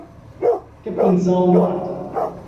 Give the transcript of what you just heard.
Capinzal do Norte